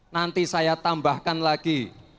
nanti saya tambahkan lagi